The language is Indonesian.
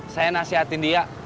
saya nasihatin dia